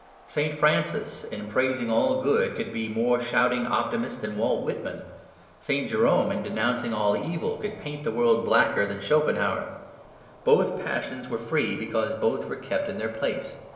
St. Francis, in praising all good, could be a more shouting optimist than Walt Whitman. St. Jerome, in denouncing all evil, could paint the world blacker than Schopenhauer. Both passions were free because both were kept in their place.